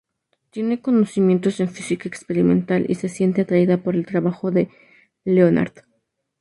Tiene conocimientos en física experimental, y se siente atraída por el trabajo de Leonard.